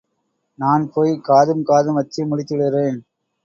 நான் போய்... காதும் காதும் வச்சு முடிச்சுடுறேன்.